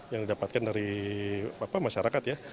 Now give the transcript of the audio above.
yang didapatkan dari masyarakat ya